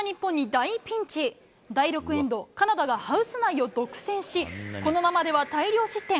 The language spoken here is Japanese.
第６エンド、カナダがハウス内を独占し、このままでは大量失点。